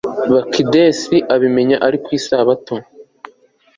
bakidesi abimenya ari ku isabato